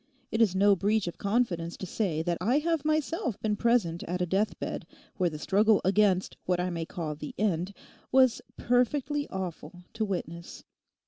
It is no breach of confidence to say that I have myself been present at a death bed where the struggle against what I may call the end was perfectly awful to witness.